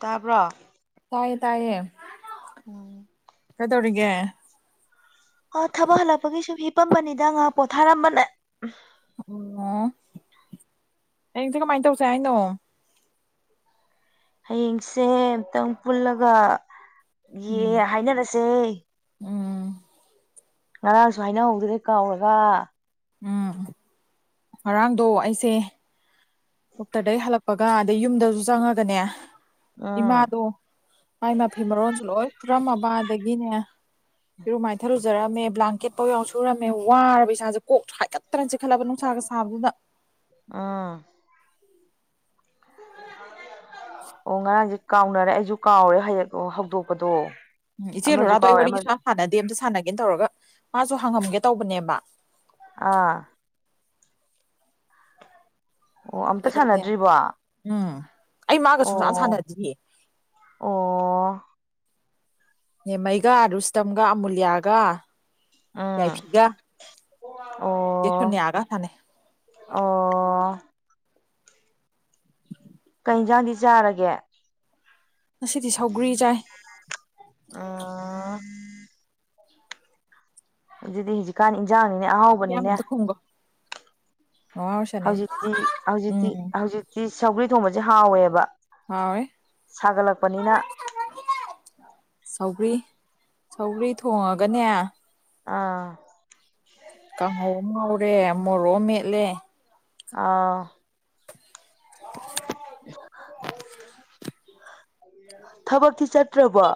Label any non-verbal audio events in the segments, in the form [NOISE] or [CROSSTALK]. ꯇꯥꯄ꯭ꯔ ꯇꯌꯦ ꯇꯥꯏꯌꯦ ꯎꯝ ꯀꯗꯧꯔꯒꯦ ꯑꯣ ꯊꯕꯛ ꯍꯜꯂꯛꯄꯒꯤ ꯁꯨꯝ ꯍꯤꯞꯄꯝꯕꯅꯤꯗ ꯉ ꯄꯣꯊꯥꯔꯝꯕꯅꯦ ꯑꯣ ꯍꯌꯦꯡꯁꯦ ꯀꯃꯥꯏꯅ ꯇꯧꯁꯦ ꯍꯥꯏꯅꯣ ꯍꯌꯦꯡꯁꯦ ꯑꯃꯨꯇꯪ ꯄꯨꯜꯂꯒ ꯌꯦ ꯎꯝ ꯍꯥꯏꯅꯔꯁꯦ ꯎꯝ ꯉꯔꯥꯡꯁꯨ ꯍꯥꯏꯅꯍꯧꯗꯨ꯭ꯔꯦ ꯀꯥꯎꯔꯒ ꯎꯝ ꯉꯔꯥꯡꯗꯣ ꯑꯩꯁꯦ ꯗꯣꯛꯇꯔꯗꯒꯤ ꯍꯜꯂꯛꯄꯒ ꯑꯗꯩ ꯌꯨꯝꯗꯁꯨ ꯆꯪꯉꯒꯅꯦ ꯎꯝ ꯏꯃꯥꯗꯣ ꯃꯥꯏ ꯃꯐꯤ ꯃꯔꯣꯟꯁꯨ ꯂꯣꯏ ꯄꯨꯔꯝꯃꯕꯗꯒꯤꯅꯦ ꯐꯔꯣ ꯃꯥꯏꯊꯥ ꯐꯖꯔꯝꯃꯦ ꯕ꯭ꯂꯥꯡꯀꯦꯠꯥꯎ ꯌꯥꯎ ꯁꯨꯔꯝꯃꯦ ꯋꯥꯔꯕ ꯏꯁꯥꯁꯦ ꯀꯣꯛ ꯍꯥꯏꯒꯠꯇꯅ ꯆꯤꯛꯈꯠꯂꯕ ꯅꯨꯡꯁꯥꯒ ꯁꯥꯕꯗꯨꯗ ꯑꯥ ꯑꯣ ꯉꯔꯥꯡꯁꯦ ꯀꯥꯎꯅꯔꯦ ꯑꯩꯁꯨ ꯀꯥꯎꯔꯦ ꯍꯌꯦꯡ ꯍꯧꯗꯣꯛꯄꯗꯣ ꯎꯝ ꯏꯆꯦꯜ ꯑꯃꯁꯨ ꯂꯨꯔꯥꯗꯣ ꯑꯩ ꯀꯥꯎꯔꯦ ꯋꯥꯔꯤꯁꯨ ꯑꯃꯁꯨ ꯁꯥꯟꯅꯗꯦ ꯑꯝꯇ ꯁꯥꯟꯅꯒꯦꯅ ꯇꯧꯔꯒ ꯃꯥꯁꯨ ꯍꯪꯉꯝꯒꯦ ꯇꯧꯕꯅꯦꯕ ꯑꯥ ꯑꯣ ꯑꯝꯇ ꯆꯠꯂꯗꯤ ꯁꯥꯟꯅꯗ꯭ꯔꯤꯕꯣ ꯑꯣ ꯎꯝ ꯑꯩ ꯃꯥꯒ ꯁꯨꯡꯁꯥꯟ ꯁꯥꯟꯅꯗꯤꯌꯦ ꯑꯣ ꯅꯦꯝꯃꯩꯒ ꯔꯨꯁꯇꯝꯒ ꯑꯃꯨꯂꯤꯌꯥꯂꯤꯌꯥꯒ ꯎꯝ ꯌꯥꯏꯐꯤꯒ ꯆꯦ ꯑꯣ ꯁꯣꯅꯤꯌ ꯒ ꯁꯥꯟꯅꯩ [UNINTELLIGIBLE] ꯑꯣ ꯌꯦꯟꯖꯥꯡꯗꯤ ꯆꯥꯔꯒꯦ ꯉꯁꯤꯗꯤ ꯁꯧꯒ꯭ꯔꯤ ꯆꯥꯏ ꯑ ꯑꯗꯨꯗꯤ ꯍꯧꯖꯤꯛꯀꯥꯟ ꯏꯟꯖꯥꯡꯅꯤꯅꯦ ꯏꯌꯥꯝꯕ ꯑꯍꯥꯎꯕꯅꯤꯅꯦ ꯑꯝꯇ ꯈꯨꯝꯒꯣ ꯃꯃꯥ ꯍꯣꯏ ꯁꯥꯟꯅꯩ ꯍꯧꯖꯤꯛꯇꯤ ꯍꯧꯖꯤꯛꯇꯤ ꯎꯝ ꯍꯧꯖꯤꯛꯇꯤ ꯁꯧꯒ꯭ꯔꯤ ꯊꯣꯡꯕꯁꯦ ꯍꯥꯎꯋꯦꯕ ꯍꯥꯎꯋꯦ ꯁꯥꯒꯠꯂꯛꯄꯅꯤꯅ ꯁꯧꯒꯔꯤ ꯊꯣꯡꯉꯒꯅꯦ ꯑꯥ ꯀꯥꯡꯍꯧ ꯑꯃ ꯉꯧꯔꯦ ꯃꯣꯔꯣꯛ ꯑꯃ ꯃꯦꯠꯂꯦ ꯑꯥ [INAUDIBLE] ꯊꯕꯛꯇꯤ ꯆꯠꯇ꯭ꯔꯕꯣ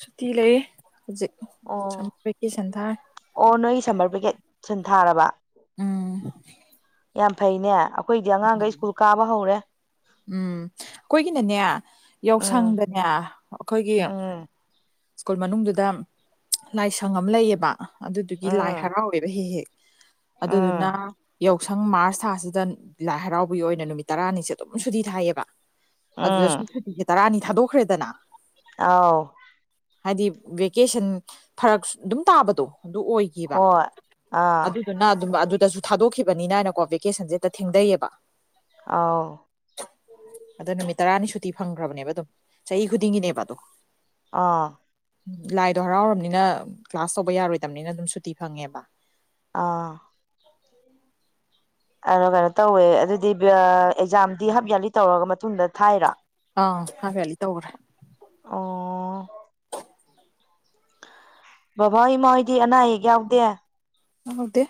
ꯁꯨꯇꯤ ꯂꯩ ꯍꯧꯖꯤꯛ ꯑꯣ ꯁꯃꯔ ꯚꯦꯀꯦꯁꯟ ꯊꯥꯔꯤ ꯑꯣ ꯅꯣꯏ ꯁꯝꯃꯔ ꯕꯦꯀꯦꯠ ꯁꯟ ꯊꯥꯔꯕ ꯎꯝ ꯌꯥꯝ ꯐꯩꯅꯦ ꯑꯈꯣꯏꯗꯤ ꯑꯉꯥꯡꯒ ꯁ꯭ꯀꯨꯜ ꯀꯥꯕ ꯍꯧꯔꯦ ꯎꯝ ꯑꯩꯈꯣꯏꯒꯤꯅꯅꯦ ꯎꯝ ꯌꯥꯎꯁꯪꯗꯅꯦ ꯑꯩꯈꯣꯏꯒꯤ ꯎꯝ [INAUDIBLE] ꯁ꯭ꯀꯨꯜ ꯃꯅꯨꯡꯗꯨꯗ ꯂꯥꯏꯁꯪ ꯑꯃ ꯂꯩꯌꯦꯕ ꯑꯗꯨꯗꯨꯒꯤ ꯂꯥꯏ ꯎꯝ ꯍꯔꯥꯎꯋꯦꯕ ꯍꯦꯛ ꯍꯦꯛ ꯎꯝ ꯑꯗꯨꯗꯨꯅ ꯌꯥꯎꯁꯪ ꯃꯥꯔꯁ ꯊꯥꯁꯤꯗ ꯂꯥꯏ ꯍꯔꯥꯎꯕꯒꯤ ꯑꯣꯏꯅ ꯅꯨꯃꯤꯠ ꯇꯔꯥꯅꯤꯁꯦ ꯑꯗꯨꯝ ꯁꯨꯗꯤ ꯊꯥꯏꯌꯦꯕ ꯑꯗꯨꯗ ꯁꯨꯝ ꯎꯝ ꯁꯨꯇꯤꯁꯦ ꯇꯔꯥꯅꯤ ꯊꯥꯗꯣꯛꯈ꯭ꯔꯦꯗꯅ ꯑꯥꯎ ꯍꯥꯏꯗꯤ ꯚꯦꯀꯦꯁꯟ ꯐꯔꯛ ꯑꯗꯨꯝ ꯇꯥꯕꯗꯣ ꯑꯗꯨ ꯑꯣꯏꯈꯤꯕ ꯍꯣꯏ ꯑꯥ ꯑꯗꯨꯗꯨꯅ ꯑꯗꯨꯝ ꯑꯗꯨꯗꯁꯨ ꯊꯥꯗꯣꯛꯈꯤꯕꯅꯤꯅꯅꯀꯣ ꯚꯦꯀꯦꯁꯟꯁꯦ ꯊꯦꯡꯗꯩꯌꯦꯕ ꯑꯥꯎ ꯑꯗꯣ ꯅꯨꯃꯤꯠ ꯇꯔꯥꯅꯤ ꯁꯨ ꯇꯤ ꯐꯪꯈ꯭ꯔꯕꯅꯦꯕ ꯑꯗꯨꯝ ꯆꯍꯤ ꯈꯨꯗꯤꯡꯒꯤꯅꯦꯕ ꯑꯗꯣ ꯑꯥ ꯎ ꯂꯥꯏꯗꯣ ꯍꯔꯥꯎꯔꯕꯅꯤꯅ ꯀ꯭ꯂꯥꯁ ꯇꯧꯕ ꯌꯥꯔꯣꯏꯗꯕꯅꯤꯅ ꯑꯗꯨꯝ ꯁꯨꯇꯤ ꯐꯪꯉꯦꯕ ꯑꯥ ꯑꯣ ꯀꯩꯅꯣ ꯇꯧꯋꯦ ꯑꯗꯨꯗꯤ ꯑꯦꯛꯖꯥꯝꯗꯤ ꯍꯥꯞ ꯏꯌꯥꯔꯂꯤ ꯇꯧꯔꯒ ꯃꯇꯨꯡꯗ ꯊꯥꯏꯔꯥ ꯑꯥꯎ ꯍꯥꯞ ꯏꯌꯥꯔꯂꯤ ꯇꯧꯒꯔꯦ ꯑꯣ ꯕꯕꯥ ꯏꯃꯥꯍꯣꯏꯗꯤ ꯑꯅꯥ ꯑꯌꯦꯛ ꯌꯥꯎꯗꯦ ꯌꯥꯎꯗꯦ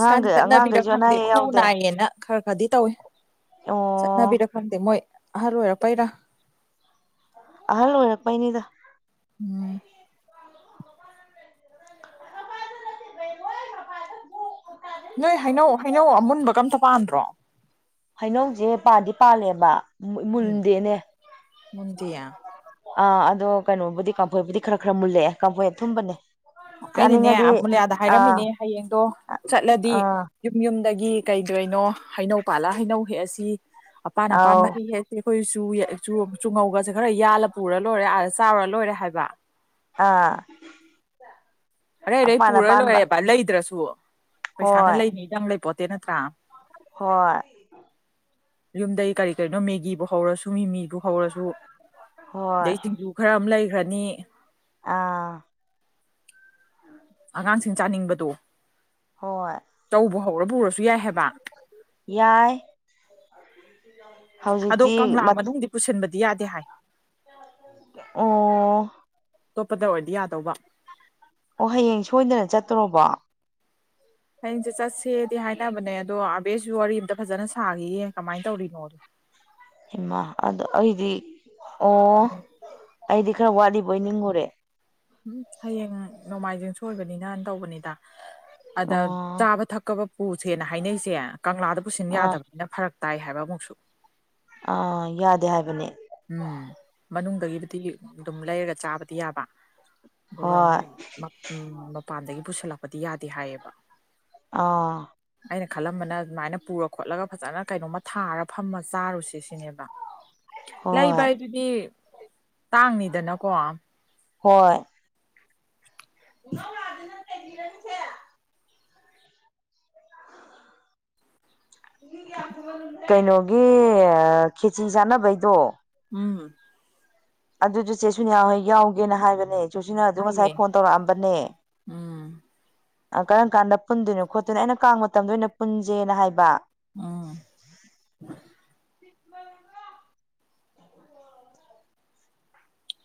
ꯁꯤꯀꯥꯟꯗꯤ ꯆꯠꯅꯕꯤꯔ ꯑꯉꯥꯡꯈꯩꯁꯨ ꯑꯅꯥ ꯈꯪꯗꯦ ꯑꯌꯦꯛ ꯈꯨꯎ ꯌꯥꯎꯗꯦ ꯅꯥꯏꯌꯦꯅ ꯈꯔ ꯈꯔꯗꯤ ꯇꯧꯋꯤ ꯑꯣ ꯆꯠꯅꯕꯤꯔ ꯈꯪꯗꯦ ꯃꯣꯏ ꯑꯍꯜ ꯑꯣꯏꯔꯄꯩꯔꯥ ꯑꯍꯜ ꯑꯣꯏꯔꯛꯄꯩꯅꯤꯗ ꯎꯝ ꯅꯣꯏ ꯍꯩꯅꯧ ꯍꯩꯅꯧ ꯑꯃꯨꯟꯕꯀ ꯑꯝꯇ ꯄꯥꯟꯗ꯭ꯔꯣ ꯍꯩꯅꯧꯁꯦ ꯄꯥꯟꯗꯤ ꯄꯥꯜꯂꯦꯕ ꯎꯝ ꯃꯨꯟꯗꯦꯅꯦ ꯃꯨꯟꯗꯦꯌꯦ ꯑꯥ ꯑꯗꯣ ꯀꯩꯅꯣꯕꯨꯗꯤ ꯀꯥꯝꯐꯣꯏꯕꯨꯗꯤ ꯈꯔ ꯈꯔ ꯃꯨꯜꯂꯛꯑꯦ ꯀꯥꯝꯐꯣꯏ ꯑꯊꯨꯝꯕꯅꯦ ꯑꯩꯅꯅꯦ ꯆꯥꯅꯤꯡꯉꯗꯤ ꯑꯃꯨꯂꯤꯌꯥꯗ ꯑꯥ ꯍꯥꯏꯔꯝꯃꯤꯅꯦ ꯍꯌꯦꯡꯗꯣ ꯆꯠꯂꯗꯤ ꯑꯥ ꯌꯨꯝ ꯌꯨꯝ ꯗꯒꯤ ꯀꯩꯒꯩꯅꯣ ꯍꯩꯅꯧ ꯄꯥꯜꯂ ꯍꯩꯅꯧ ꯍꯦꯛꯑꯁꯤ ꯑꯄꯥꯟ ꯑꯥꯎ ꯑꯄꯥꯟꯕ ꯍꯩ ꯍꯦꯛꯑꯁꯤ ꯑꯩꯈꯣꯏ ꯆꯨ ꯆꯨ ꯆꯨꯉꯧꯒꯁꯦ ꯈꯔ ꯌꯥꯜꯂ ꯄꯨꯔ ꯂꯣꯏꯔꯦ ꯑꯗ ꯆꯥꯎꯔ ꯂꯣꯏꯔꯦ ꯍꯥꯏꯕ ꯑꯥ ꯑꯔꯩ ꯑꯔꯩ ꯑꯄꯥꯟ ꯄꯨꯔ ꯑꯄꯥꯟꯕ ꯂꯣꯏꯔꯦꯕ ꯂꯩꯗ꯭ꯔꯁꯨ ꯄꯩꯁꯥꯅ ꯍꯣꯏ ꯂꯩꯅꯤꯗꯪ ꯂꯩ ꯄꯣꯠꯇꯦ ꯅꯠꯇ꯭ꯔꯥ ꯍꯣꯏ ꯌꯨꯝꯗꯩ ꯀꯔꯤ ꯀꯔꯤꯅꯣ ꯃꯦꯒꯤꯕꯨ ꯍꯧꯔꯁꯨ ꯃꯤꯃꯤ ꯍꯧꯔꯁꯨ ꯍꯣꯏ ꯑꯗꯩ ꯁꯤꯡꯖꯨ ꯈꯔ ꯑꯃ ꯂꯩꯈ꯭ꯔꯅꯤ ꯑꯥ ꯑꯉꯥꯡꯁꯤꯡ ꯆꯥꯅꯤꯡꯕꯗꯣ ꯍꯣꯏ ꯆꯧꯕꯨ ꯍꯧꯔ ꯄꯨꯔꯁꯨ ꯌꯥꯏ ꯍꯥꯏꯦꯕ ꯌꯥꯏ ꯑꯗꯣ ꯍꯧꯖꯤꯛꯇꯤ ꯀꯪꯂꯥ ꯑꯣ ꯃꯅꯨꯡꯗꯗꯤ ꯄꯨꯁꯤꯟꯕꯗꯤ ꯌꯥꯗꯦ ꯍꯥꯏ ꯑꯣ ꯑꯇꯣꯞꯄꯗ ꯑꯣꯏꯔꯗꯤ ꯌꯥꯗꯧꯕ ꯑꯣ ꯍꯌꯦꯡ ꯁꯣꯏꯗꯅ ꯆꯠꯇꯣꯔꯣꯕꯣ ꯍꯌꯦꯡꯁꯦ ꯆꯠꯁꯦꯗꯤ ꯍꯥꯏꯅꯕꯅꯦ ꯑꯗꯣ ꯑꯥꯕꯦꯁꯁꯨ ꯋꯥꯔꯤ ꯑꯃꯝꯇ ꯐꯖꯅ ꯁꯥꯒꯦ ꯍꯃ ꯑꯗ ꯑꯩꯗꯤ ꯑꯣ ꯑꯩꯗꯤ ꯈꯔ ꯋꯥꯠꯂꯤꯕꯣꯏ ꯅꯤꯡꯉꯨꯔꯦ ꯎꯝ ꯍꯌꯦꯡ ꯅꯣꯡꯃꯥꯏꯖꯤꯡ ꯁꯣꯏꯕꯅꯤꯅꯅ ꯇꯧꯕꯅꯤꯗ ꯑꯗ ꯑꯣ ꯆꯥꯕ ꯊꯛꯀꯕ ꯄꯨꯁꯦꯅ ꯍꯥꯏꯅꯩꯁꯦ ꯀꯪꯂꯥꯗ ꯄꯨꯁꯤꯟ ꯑꯥ ꯌꯥꯗꯕꯅꯤꯅ ꯐꯔꯛ ꯇꯥꯏ ꯍꯥꯏꯕ ꯑꯃꯨꯛꯁꯨ ꯑꯥ ꯌꯥꯗꯦ ꯍꯥꯏꯕꯅꯦ ꯎꯝ ꯃꯅꯨꯡꯗꯒꯤꯕꯨꯗꯤ ꯑꯗꯨꯝ ꯂꯩꯔꯒ ꯆꯥꯕꯗꯤ ꯌꯥꯕ ꯑꯗꯨꯒ ꯍꯣꯏ ꯃꯣꯏ ꯃꯄꯥꯟꯗꯒꯤ ꯄꯨꯁꯜꯂꯛꯄꯗꯤ ꯌꯥꯗꯦ ꯍꯥꯏꯌꯦꯕ ꯑꯥ ꯑꯩꯅ ꯈꯜꯂꯝꯕꯅ ꯑꯗꯨꯃꯥꯏꯅ ꯄꯨꯔ ꯈꯣꯠꯂꯒ ꯐꯖꯅ ꯀꯩꯅꯣꯝꯃ ꯊꯥꯔ ꯐꯝꯃ ꯆꯥꯔꯨꯁꯤ ꯁꯤꯅꯦꯕ ꯂꯩꯕ ꯍꯣꯏ ꯍꯥꯏꯗꯨꯗꯤ ꯇꯥꯡꯅꯤꯗꯅꯀꯣ ꯍꯣꯏ ꯎꯝ ꯔ ꯊ ꯀꯩꯅꯣꯒꯤ ꯈꯦꯆꯤ ꯆꯥꯟꯅꯕꯩꯗꯣ ꯍꯝ ꯑꯗꯨꯗꯨ ꯆꯦ ꯁ ꯌꯥꯎꯒꯦꯅ ꯍꯥꯏꯕꯅꯦ ꯆꯆꯨꯁꯤꯅ ꯑꯗꯨ ꯍꯥꯏꯌꯦ ꯉꯁꯥꯏ ꯐꯣꯟ ꯇꯧꯔꯛꯑꯝꯕꯅꯦ ꯎꯝ ꯀꯔꯝ ꯀꯥꯟꯗ ꯄꯨꯟꯗꯣꯏꯅꯣ ꯈꯣꯠꯇꯣꯏꯅꯣ ꯑꯩꯅ ꯀꯥꯡꯕ ꯃꯇꯝꯗ ꯑꯣꯏꯅ ꯄꯨꯟꯁꯦꯅ ꯍꯥꯏꯕ ꯑꯥ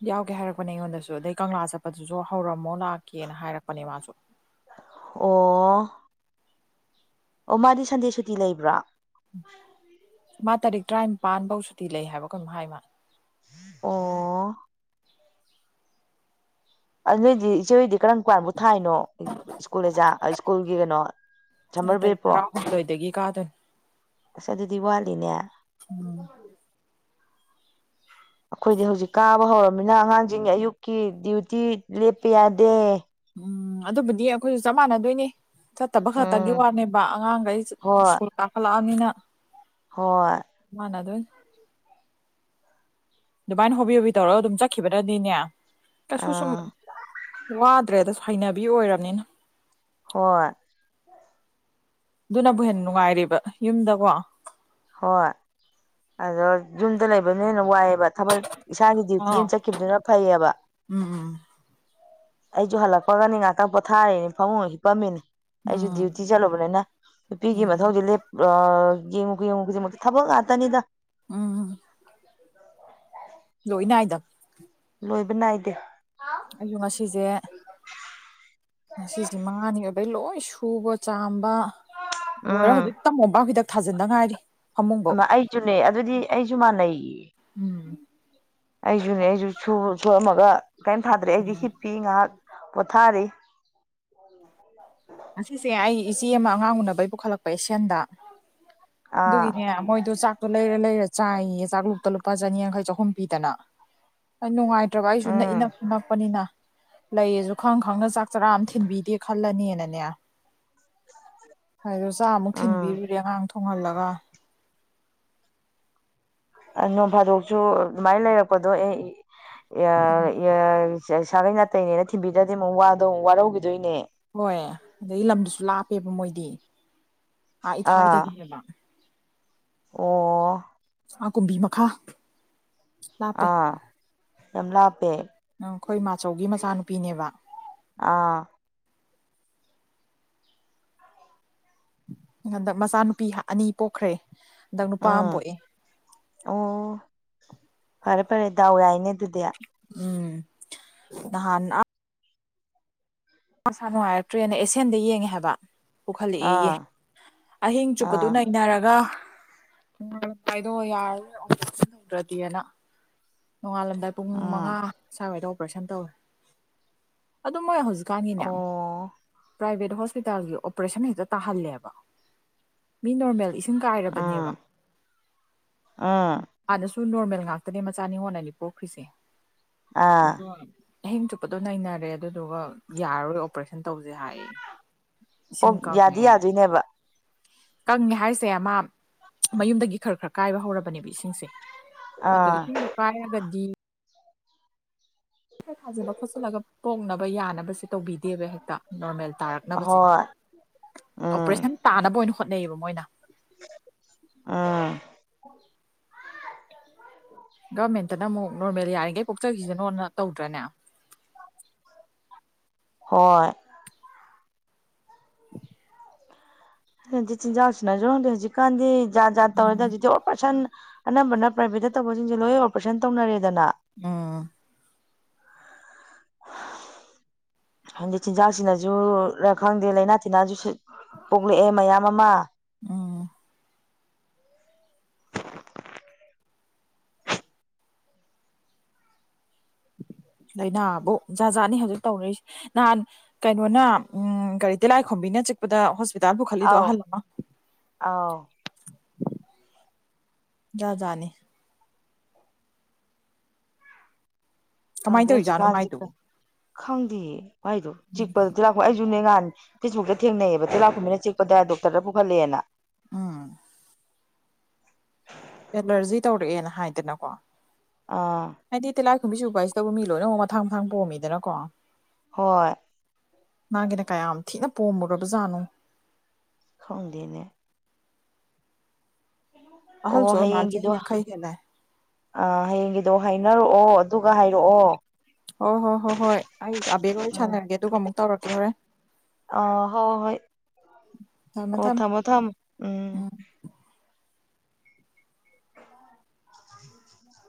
ꯌꯥꯎꯒꯦ ꯍꯥꯏꯔꯛꯄꯅꯦ ꯑꯩꯉꯣꯟꯗꯁꯨ ꯑꯗꯩ ꯀꯪꯂꯥ ꯆꯠꯄꯗꯨꯁꯨ ꯍꯧꯔꯝꯃꯣ ꯂꯥꯛꯀꯦꯅ ꯍꯥꯏꯔꯛꯄꯅꯦ ꯃꯥꯁꯨ ꯑꯣ ꯑꯣ ꯃꯥꯗꯤ ꯁꯟꯗꯦ ꯁꯨꯇꯤ ꯂꯩꯕ꯭ꯔꯥ ꯃꯥ ꯇꯥꯔꯤꯛ ꯇꯔꯥꯅꯤꯄꯥꯟꯐꯧ ꯁꯨꯇꯤ ꯂꯩ ꯍꯥꯏꯕ ꯀꯩꯅꯣ ꯍꯥꯏ ꯃꯥ ꯑꯣ ꯑꯗꯨꯗꯩꯗꯤ ꯏꯆꯦ ꯍꯗꯤ ꯀꯔꯝ ꯀꯥꯟꯕꯨ ꯊꯥꯏꯅꯣ ꯁ꯭ꯀꯨꯜ ꯑꯦꯖꯥ ꯁ꯭ꯀꯨꯜꯒꯤ ꯀꯩꯅꯣ ꯑꯩ ꯁꯝꯃꯔ ꯇꯥꯔꯤꯛ ꯕ꯭ꯔꯦꯛꯄꯣ ꯇꯔꯥꯍꯨꯝꯗꯣꯏꯗꯒꯤ ꯀꯥꯗꯅꯨ ꯑꯁ ꯑꯗꯨꯗꯤ ꯋꯥꯠꯂꯤꯅꯦ ꯑꯩꯈꯣꯏꯗꯤ ꯍꯧꯖꯤꯛ ꯀꯥꯕ ꯍꯧꯔꯕꯃꯤꯅ ꯑꯉꯥꯡꯁꯤꯡꯒꯤ ꯑꯌꯨꯛꯀꯤ ꯗ꯭ꯌꯨꯇꯤ ꯂꯦꯞꯄ ꯌꯥꯗꯦ ꯎꯝ ꯑꯗꯨꯕꯨꯗꯤ ꯑꯩꯈꯣꯏꯁꯨ ꯆꯞ ꯃꯥꯟꯅꯗꯣꯏꯅꯦ ꯆꯠꯇꯕ ꯈꯛꯇꯒꯤ ꯎꯝ ꯋꯥꯅꯦꯕ ꯑꯉꯥꯡꯈꯩ ꯍꯣꯏ ꯁ꯭ꯀꯨꯜ ꯀꯥꯈꯠꯂꯛꯑꯅꯤꯅ ꯍꯣꯏ ꯃꯥꯅ ꯑꯗꯨ ꯑꯗꯨꯃꯥꯏꯅ ꯍꯣꯕꯤ ꯍꯣꯕꯤ ꯇꯧꯔꯒ ꯑꯗꯨꯝ ꯆꯠꯈꯤꯕꯗꯗꯤꯅꯦ ꯀꯩꯁꯨ ꯁꯨꯝ ꯑꯥ ꯋꯥꯗ꯭ꯔꯦꯗꯁꯨ ꯍꯩꯅꯕꯤ ꯑꯣꯏꯔꯕꯅꯤꯅ ꯍꯣꯏ ꯑꯗꯨꯅꯕꯨ ꯍꯦꯟꯅ ꯅꯨꯡꯉꯥꯏꯔꯤꯕ ꯌꯨꯝꯗꯀꯣ ꯍꯣꯏ ꯑꯗꯣ ꯌꯨꯝꯗ ꯂꯩꯕꯅ ꯍꯦꯟꯅ ꯋꯥꯏꯑꯦꯕ ꯊꯕꯛ ꯏꯁꯥꯒꯤ ꯗ꯭ꯌꯨꯇꯤ ꯑꯥ ꯑꯃ ꯆꯠꯈꯤꯕꯗꯨꯅ ꯐꯩꯌꯦꯕ ꯎꯝ ꯑꯩꯁꯨ ꯍꯜꯂꯛꯄꯒꯅꯤ ꯉꯥꯏꯍꯥꯛꯇꯪ ꯄꯣꯊꯥꯔꯦꯅꯦ ꯐꯃꯨꯡꯁꯤ ꯄꯝꯃꯤꯅꯦ ꯎꯝ ꯑꯩꯁꯨ ꯗ꯭ꯌꯨꯇꯤ ꯎꯝ ꯆꯠꯂꯨꯕꯅꯤꯅ ꯅꯨꯄꯤꯒꯤ ꯃꯊꯧꯗꯤ ꯌꯦꯡꯉ ꯀ ꯍꯧꯖꯤꯛꯃꯛꯇꯤ ꯊꯕꯛ ꯉꯥꯛꯇꯅꯤꯗ ꯂꯣꯏꯍꯤꯅꯅꯥꯏꯗ ꯂꯣꯏꯕ ꯅꯥꯏꯗꯦ ꯑꯩꯁꯨ ꯉꯁꯤꯁꯦ ꯉꯁ ꯃꯉꯥꯅꯤ ꯑꯣꯏꯕꯩ ꯂꯣꯏ ꯁꯨꯕ ꯆꯥꯝꯕ ꯂꯣꯏꯔ ꯎꯝ ꯍꯧꯖꯤꯛ ꯇꯝꯃꯣꯝꯄꯥꯛ ꯈꯤꯗꯛ ꯊꯥꯖꯤꯟꯗ ꯉꯥꯏꯔꯤ ꯐꯃꯨꯡꯕꯧ ꯑꯩꯁꯨꯅꯦ ꯑꯗꯨꯗꯤ ꯑꯩꯁꯨ ꯃꯥꯟꯅꯩ ꯎꯝ ꯑꯩꯁꯨꯅꯦ ꯑꯩꯁꯨ ꯁꯑꯝꯃꯒ ꯀꯩꯝ ꯊꯥꯗꯔꯦ ꯑꯩꯗꯤ ꯍꯤꯠꯄꯤꯤ ꯉꯥꯏꯍꯥꯛ ꯄꯨꯊꯥꯔꯤ ꯑꯁꯤꯁꯦ ꯑꯩ ꯏꯆꯦ ꯑꯃ ꯑꯉꯥꯡ ꯎꯅꯕꯩ ꯄꯨꯈꯠꯂꯛꯄ ꯑꯦꯁꯤꯌꯥꯟꯗ ꯑꯥ ꯑꯗꯨꯒꯤꯅꯦ ꯃꯣꯏꯗꯣ ꯆꯥꯛꯇꯣ ꯂꯩꯔ ꯂꯩꯔꯁꯦ ꯆꯥꯏꯌꯦ ꯆꯥꯛꯂꯨꯇ ꯂꯨꯄꯥ ꯆꯅꯤꯌꯥꯡꯈꯩ ꯆꯍꯨꯝ ꯄꯤꯗꯅ ꯑꯩ ꯅꯨꯡꯉꯥꯏꯇ꯭ꯔꯕ ꯑꯩꯁꯨ ꯅꯛ ꯎꯝ ꯏꯅꯛꯁꯨ ꯅꯛꯄꯅꯤꯅ ꯂꯩꯌꯦꯁꯨ ꯈꯪ ꯈꯪꯅ ꯆꯥꯛ ꯆꯔꯥ ꯑꯃ ꯊꯤꯟꯕꯤꯗꯦ ꯈꯜꯂꯅꯤꯅꯅꯦ ꯍꯥꯏꯗꯣ ꯆꯥꯃꯨꯛ ꯎꯝ ꯊꯤꯟꯕꯤꯔꯨꯔꯦ ꯑꯉꯥꯡ ꯊꯣꯡꯍꯜꯂꯒ ꯅꯣꯡ ꯐꯥꯗꯣꯛꯁꯨ ꯑꯗꯨꯃꯥꯏꯅ ꯂꯩꯔꯛꯄꯗꯣ ꯑꯦ ꯁꯥꯒꯩ ꯅꯥꯇꯩꯅꯦꯅ ꯊꯤꯟꯕꯤꯗ꯭ꯔꯗꯤ ꯑꯃꯨꯛ ꯋꯥꯗꯣ ꯋꯥꯔꯧꯈꯤꯗꯣꯏꯅꯦ ꯍꯣꯏ ꯑꯗꯒꯤ ꯂꯝꯗꯨꯁꯨ ꯂꯥꯞꯄꯦꯕ ꯃꯣꯏꯗꯤ ꯑꯥ ꯏꯊꯥꯏꯗꯒꯤꯅꯦꯕ ꯑꯣ ꯑꯥ ꯀꯨꯝꯕꯤ ꯃꯈꯥ ꯂꯥꯞꯄꯦ ꯑꯥ ꯌꯥꯝꯂꯄꯦ ꯑꯩꯈꯣꯏ ꯃꯥꯆꯧꯒꯤ ꯃꯆꯥꯅꯨꯄꯤꯅꯦꯕ ꯑꯥ ꯍꯟꯗꯛ ꯃꯆꯥꯅꯨꯄꯤ ꯑꯅꯤ ꯄꯣꯛꯈ꯭ꯔꯦ ꯍꯟꯗꯛ ꯅꯨꯄꯥ ꯑꯃ ꯎꯝ ꯄꯣꯛꯏ ꯑꯣ ꯐꯔꯦ ꯐꯔꯦ ꯗꯥꯎ ꯌꯥꯏꯅꯦ ꯑꯗꯨꯗꯤ ꯎꯝ ꯅꯍꯥꯟ ꯃꯥꯁꯥ ꯅꯨꯡꯉꯥꯏꯔꯛꯇ꯭ꯔꯦꯅ ꯑꯦꯁꯤꯌꯥꯦꯟꯗ ꯌꯦꯡꯉꯦ ꯍꯥꯏꯕ ꯄꯨꯈꯠꯂꯛꯑꯦꯌꯦ ꯑꯍꯤꯡ ꯆꯨꯞꯄꯗꯨ ꯑꯥ ꯅꯩꯅꯔꯒ ꯥꯏꯗꯣ ꯌꯥꯔꯗꯤꯅ ꯅꯣꯡꯉꯥꯜꯂꯝꯗꯥꯏ ꯄꯨꯡ ꯃꯉꯥ ꯎꯝ ꯁ꯭ꯋꯥꯏꯋꯥꯏꯗ ꯑꯣꯄꯔꯦꯁꯟ ꯇꯧꯔꯦ ꯑꯗꯨ ꯃꯣꯏ ꯍꯧꯖꯤꯛ ꯀꯥꯡꯉꯤꯅ ꯑꯣ ꯄ꯭ꯔꯥꯏꯚꯦꯠ [UNINTELLIGIBLE] ꯁꯤꯡ ꯎꯝ ꯀꯥꯏꯔꯕꯅꯦꯕ ꯎꯝ ꯁꯨ ꯅꯣꯔꯃꯦꯜ ꯉꯥꯛꯇꯅꯦ ꯃꯆꯥꯅꯤꯉꯣꯜꯅꯅꯤ ꯄꯣꯛꯈ꯭ꯔꯤꯁꯦ ꯑꯥ ꯑꯍꯤꯡ ꯆꯨꯞꯄꯗꯣ ꯅꯩꯅꯔꯦ ꯑꯗꯨꯗꯨꯒ ꯌꯥꯔꯔꯣꯏ ꯑꯣꯄꯔꯦꯁꯟ ꯇꯧꯁꯦ ꯍꯥꯏ ꯄꯣ ꯌꯥꯗꯤ ꯌꯥꯗꯣꯏꯅꯦꯕ ꯀꯪꯉꯦ ꯍꯥꯏꯁꯦ ꯃꯥ ꯃꯌꯨꯝꯗꯒꯤ ꯈꯔ ꯈꯔ ꯀꯥꯏꯕ ꯍꯧꯔꯕꯅꯦꯕ ꯏꯁꯤꯡꯁꯦ ꯑꯗꯣ ꯑꯥ ꯏꯁꯤꯡꯗꯣ ꯀꯥꯏꯔꯒꯗꯤ ꯊꯥꯖꯤꯜꯂ ꯈꯣꯠꯆꯜꯂꯒ ꯄꯣꯛꯅꯕ ꯌꯥꯅꯕꯁꯦ ꯇꯧꯕꯤꯗꯦꯕ ꯍꯥꯏ ꯅꯣꯔꯃꯦꯜ ꯇꯥꯔꯛꯅꯕꯁꯦ ꯍꯣꯏ ꯑꯣꯄꯔꯦꯁꯟ ꯇꯥꯅꯕ ꯑꯣꯏꯅ ꯍꯣꯠꯅꯩꯌꯦꯕ ꯃꯣꯏꯅ ꯑꯥ ꯒꯚꯃꯦꯟꯇꯅ ꯑꯃꯨꯛ ꯅꯣꯔꯃꯦꯜ ꯌꯥꯔꯤꯈꯩ ꯄꯣꯛꯆꯈꯤꯁꯤꯅꯣꯅ ꯇꯧꯗ꯭ꯔꯅꯦ [UNINTELLIGIBLE] ꯍꯣꯏ [UNINTELLIGIBLE] ꯖꯤ ꯆꯤꯟꯖꯥꯎꯁꯤꯅꯖꯗꯤ ꯍꯧꯖꯤꯛꯀꯥꯟꯗꯤ ꯥꯠ ꯥꯠ ꯎꯝ ꯇꯧꯔꯗ ꯍꯧꯖꯤꯗꯤ ꯑꯣ ꯄꯔꯁꯟ ꯑꯅꯝꯕꯅ ꯄ꯭ꯔꯥꯏꯚꯦꯠꯇ ꯇꯧꯕꯁꯤꯡꯁꯦ ꯂꯣꯏ ꯑꯣꯄꯔꯦꯁꯟ ꯇꯧꯅꯔꯦꯗꯅ ꯑ [INAUDIBLE] ꯍꯥꯏꯗꯤ ꯆꯤꯟꯖꯥꯛꯁꯤꯅꯁꯨ ꯈꯪꯗꯦ ꯂꯥꯏꯅꯥ ꯇꯤꯟꯅꯥꯁꯨ ꯄꯣꯛꯂꯛꯑꯦ ꯃꯌꯥꯝ ꯑꯃ ꯎꯥ ꯎ ꯂꯥꯏꯅꯥꯕꯨ ꯖꯥ ꯖꯥꯠꯅꯤ ꯍꯧꯖꯤꯛ ꯇꯧꯅꯔꯤꯁꯦ ꯅꯍꯥꯟ ꯀꯩꯅꯣꯅ ꯎꯝ ꯀꯒꯥꯔꯤ ꯇꯤꯂꯥꯏ ꯈꯣꯝꯕꯤꯅ ꯑꯩꯅ ꯆꯤꯛꯄꯗ ꯍꯣꯁꯄꯤꯇꯥꯜ ꯄꯨꯈꯠꯂꯤꯗꯣ ꯑꯧ ꯑꯍꯜ ꯑꯃ ꯑꯧ ꯌꯥꯗꯥꯅꯤ ꯀꯃꯥꯏꯅ ꯈꯪꯗꯦ ꯇꯧꯔꯤꯖꯥꯠꯅꯣ ꯍꯧꯖꯤꯛꯀꯥꯟꯛ ꯃꯥꯏꯗꯨꯕꯨ ꯈꯪꯗꯦ ꯏꯗꯣ ꯆꯤꯛꯄꯗꯗꯤ ꯂꯥꯛꯄ ꯑꯩꯁꯨꯅꯦ ꯉꯥꯅꯤ ꯐꯦꯁꯕꯨꯛꯇ ꯊꯦꯡꯅꯩꯌꯦꯕ ꯇ ꯂꯥꯛꯄꯨꯃꯤꯅ ꯆꯦꯛꯛꯄꯗ ꯗꯣꯛꯇꯔꯗ ꯄꯨꯈꯠꯂꯦꯅ ꯑ ꯑꯦꯂꯔꯖꯤ ꯇꯧꯔꯛꯑꯦꯅ ꯍꯥꯏꯗꯅꯀꯣ ꯑꯥ ꯐꯨꯝꯕꯤ ꯁꯨꯄꯥꯏꯁꯤ ꯇꯕꯨ ꯃꯤ ꯂꯣꯏꯅꯃꯛꯨꯛ ꯃꯊꯥꯡ ꯃꯊꯥꯡ ꯄꯣꯝꯃꯤꯗꯅꯀꯣ ꯍꯣꯏ ꯅꯪꯒꯤꯅ ꯀꯌꯥꯝ ꯊꯤꯅ ꯄꯣꯝꯃꯨꯔꯕꯖꯥꯠꯅꯣ ꯈꯥꯎꯗꯅꯦ ꯑꯣ ꯑꯍꯜꯁꯨ ꯑꯣꯏꯔ ꯃꯥꯜꯂꯦ ꯍꯌꯦꯡꯒꯤꯗꯣ ꯆꯍꯤ ꯑ ꯌꯥꯡꯈꯩ ꯍꯦꯜꯂꯦ ꯍꯌꯦꯡꯗꯣ ꯍ ꯈꯅꯔꯛꯑꯣ ꯑꯗꯨꯒ ꯍꯥꯏꯔꯛꯑꯣ ꯍꯣꯏ ꯍꯣꯏ ꯍꯣ ꯍꯣꯏ ꯑꯩ ꯑꯕꯦꯒ ꯋꯥꯔꯤ ꯑꯣꯏꯅ ꯎꯝ ꯁꯥꯟꯅꯔꯒꯦ ꯑꯗꯨꯒ ꯑꯃꯨꯛ ꯇꯧꯔꯛꯀꯦ ꯍꯣꯔꯦ ꯑꯥ ꯍꯣꯏ ꯍꯣꯏ ꯑꯣ ꯊꯝꯃꯣ ꯊꯝꯃꯣ ꯎꯝ [INAUDIBLE]